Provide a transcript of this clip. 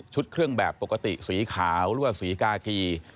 เครื่องแบบปกติสีขาวหรือว่าสีกากี